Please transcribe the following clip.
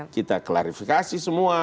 kita klarifikasi semua